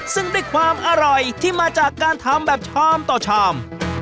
ซึ่งด้วยความอร่อยที่มาจากการทำแบบชามต่อชาม